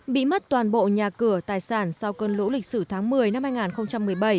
bị mất toàn bộ nhà cửa tài sản sau cơn lũ lịch sử tháng một mươi năm hai nghìn một mươi bảy